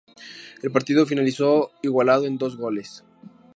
El partido finalizó igualado en dos goles.